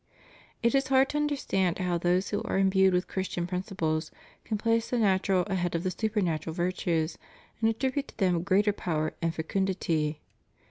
It is hard to understand how those who are imbued with Christian principles can place the natural ahead of the supernatural virtues, and attribute to them greater power and fecundity.